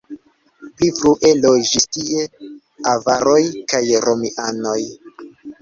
Pli frue loĝis tie avaroj kaj romianoj.